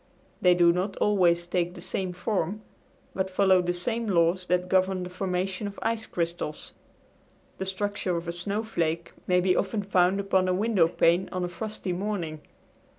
They do not always take the same form, but follow the same laws that govern the formation of ice crystals. The structure of a snowflake may be often found upon a window pane of a frosty morning.